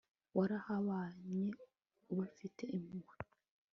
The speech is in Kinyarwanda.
warabahannye ubafitiye impuhwe